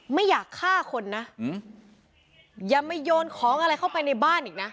ไม่อยากฆ่าคนนะอย่ามาโยนของอะไรเข้าไปในบ้านอีกนะ